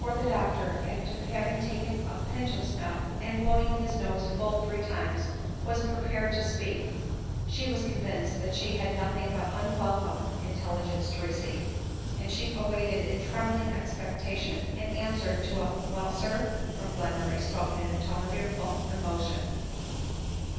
121 the doctor, after having taking a pinch of snuff, and Mow ed his nose full three times, was prepared to speak, she was convinced that she had nothing but unwelcome in telligence to receive ; and she awaited in trembling ex* pectation an answer to a " Well, sir," from Glenmurray spoken in a tone of fearful emotion.